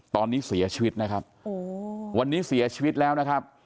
ตอนนี้เสียชีวิตนะครับโอ้โหวันนี้เสียชีวิตแล้วนะครับ